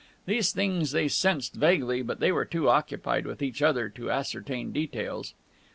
These things they sensed vaguely, but they were too occupied with each other to ascertain details.